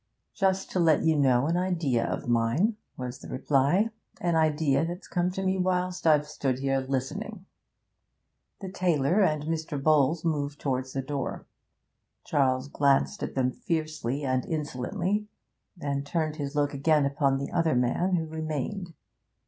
'Just to let you know an idea of mine,' was the reply, 'an idea that's come to me whilst I've stood here listening.' The tailor and Mr. Bowles moved towards the door. Charles glanced at them fiercely and insolently, then turned his look again upon the man who remained.